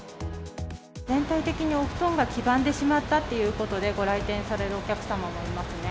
全体的にお布団が黄ばんでしまったということで、ご来店されるお客様もいますね。